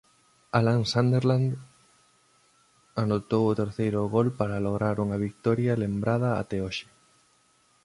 Alan Sunderland anotou o terceiro gol para lograr unha vitoria lembrada até hoxe.